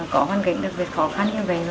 có hoàn cảnh đặc biệt khó khăn như vậy